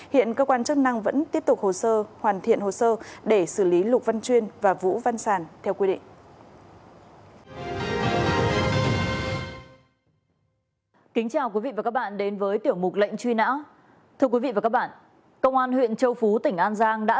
hiện cơ quan chức năng vẫn tiếp tục hoàn thiện hồ sơ để xử lý lục văn chuyên và vũ văn sàn